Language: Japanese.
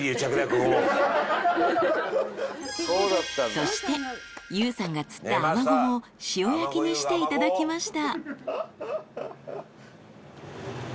［そしてＹＯＵさんが釣ったあまごも塩焼きにしていただきました］